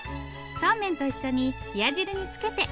そうめんと一緒に冷や汁につけて頂きます。